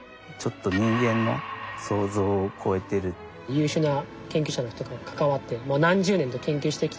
優秀な研究者の人が関わってもう何十年と研究してきて